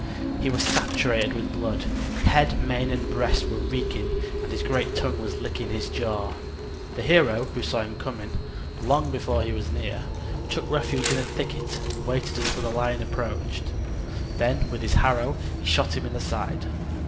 He was saturated with blood: head, mane and breast were reeking, and his great tongue was licking his jaws. The hero, who saw him coming long before he was near, took refuge in a thicket and waited until the lion approached; then with his arrow he shot him in the side.